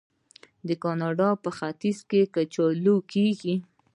د کاناډا په ختیځ کې کچالو کیږي.